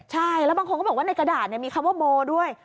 ใช่แล้วบางคนก็บอกว่าในกระดาษมีคำว่าโมด้วย